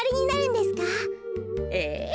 ええ。